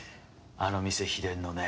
あの店秘伝のね。